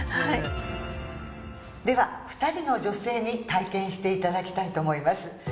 では２人の女性に体験していただきたいと思います。